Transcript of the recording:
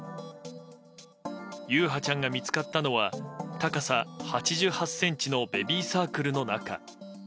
優陽ちゃんが見つかったのは高さ８８ｃｍのベビーサークルの中。